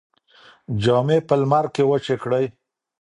جامې په لمر کې وچې کړئ.